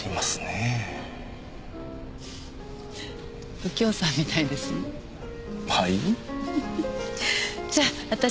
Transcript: えっ？